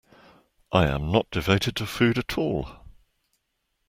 I am not devoted to food at all.